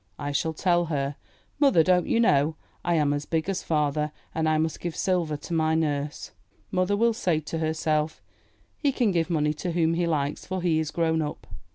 I shall tell her, "Mother, don't you know, I am as big as father, and I must give silver to my nurse." Mother will say to herself, "He can give money to whom he likes, for he is grown up."